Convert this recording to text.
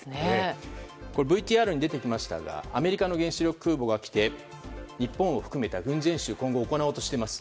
ＶＴＲにも出てきましたがアメリカの原子力空母が来て日本を含めた軍事演習を今後行おうとしています。